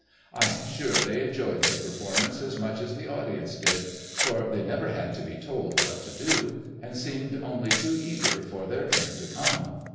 I am sure they enjoyed their performance as much as the audience did, for they never had to be told what to do, and seemed only too eager for their turn to come.